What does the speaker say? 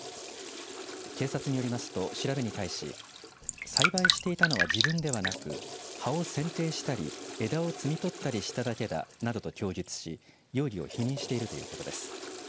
警察によりますと調べに対し栽培していたのは自分ではなく葉をせんていしたり枝を摘み取ったりしただけだなどと供述し容疑を否認しているということです。